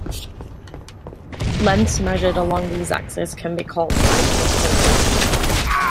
Lengths measured along these axes can be called "height", "width", and "depth".